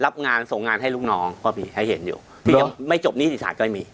ส่งงานให้ลูกน้องก็มีให้เห็นอยู่ไม่จบหนี้ศาสตร์ก็ไม่มี